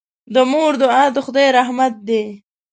د مور دعا د خدای رحمت دی.